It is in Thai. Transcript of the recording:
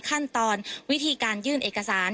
ขั้นตอนวิธีการยื่นเอกสาร